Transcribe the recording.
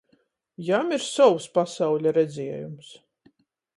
Jam ir sovs pasauļa redziejums.